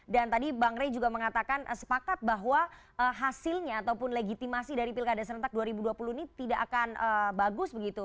dan tadi bang rey juga mengatakan sepakat bahwa hasilnya ataupun legitimasi dari pilkada serentak dua ribu dua puluh ini tidak akan bagus begitu